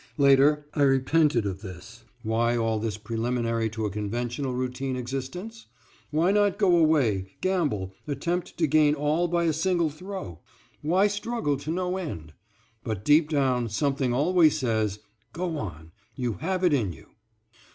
Later I repented of this, why all this preliminary to a conventional, routine existence? Why not go away, gamble, attempt to gain all by a single throw? Why struggle to no end? But deep down something always says, "Go on, you have it in you."